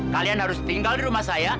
kalian harus tinggal di rumah saya